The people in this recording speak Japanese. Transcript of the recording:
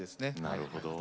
なるほど。